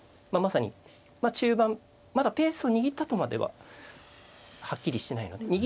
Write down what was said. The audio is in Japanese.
まさに中盤まだペースを握ったとまでははっきりしてないので。